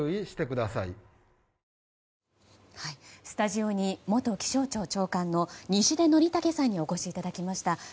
スタジオに元気象庁長官の西出則武さんにお越しいただきました。